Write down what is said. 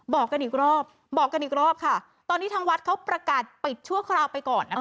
บอกกันอีกรอบบอกกันอีกรอบค่ะตอนนี้ทางวัดเขาประกาศปิดชั่วคราวไปก่อนนะคะ